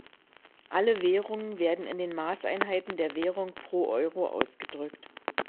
Alle Währungen werden in den Maßeinheiten der Währung pro Euro ausgedrückt.